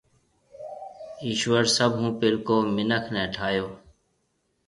ايشوَر سڀ هون پيلڪو مِنک نَي ٺاھيَََو